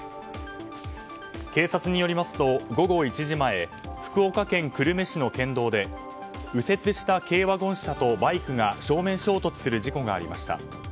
警察によりますと、午後１時前福岡県久留米市の県道で右折した軽ワゴン車とバイクが正面衝突する事故がありました。